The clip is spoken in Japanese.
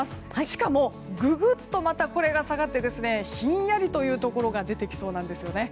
しかも、ググっと下がってひんやりというところが出てきそうなんですよね。